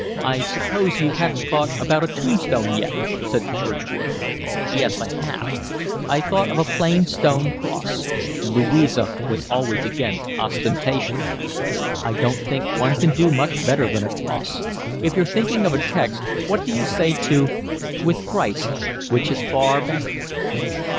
"I suppose you haven't thought about a tombstone yet?" said the churchwarden. "Yes, I have. I thought of a plain stone cross. Louisa was always against ostentation." "I don't think one can do much better than a cross. If you're thinking of a text, what do you say to: With Christ, which is far better?"